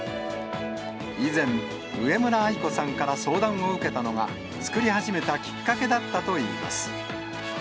以前、上村愛子さんから相談を受けたのが、作り始めたきっかけだったといいます。